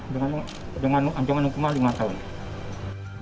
dengan anggota hukum lima tahun